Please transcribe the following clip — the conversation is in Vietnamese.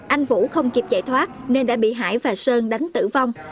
anh vũ không kịp chạy thoát nên đã bị hải và sơn đánh tử vong